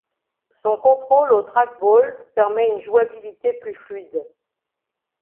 Son contrôle au trackball permet une jouabilité plus fluide.